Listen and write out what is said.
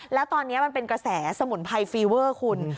แล้วตอนนี้มันเป็นกระแสสมุนไพรฟีเวอร์คุณ